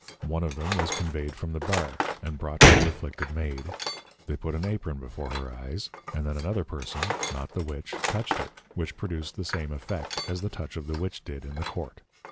One of them was conveyed from the Bar, and brought to the Afflicted Maid. They put an Apron before her Eyes, and then another person (not the Witch) touched her, which produced the same effect, as the Touch of the Witch did in the Court.